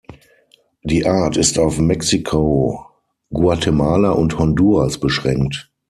Die Art ist auf Mexiko, Guatemala und Honduras beschränkt.